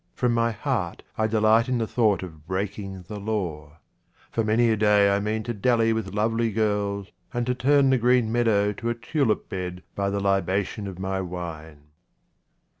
From my heart I delight in the thought of breaking the law. For many a day I mean to dally with lovely girls, and to turn the green meadow to a tulip bed by the libation of my wine.